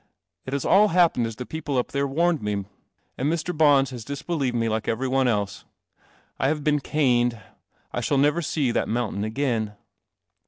It has all happened .is the people up there warned me, and Mr. Bons ha dis believed me like every one el I have been cane . I shall never see that mountain again.'